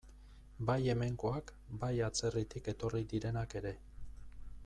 Bai hemengoak, bai atzerritik etorri direnak ere.